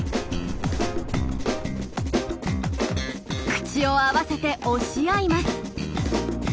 口を合わせて押し合います。